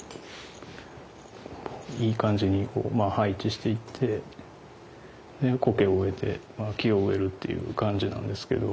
いい感じにこう配置していってコケを植えて木を植えるっていう感じなんですけど。